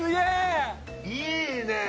いいね。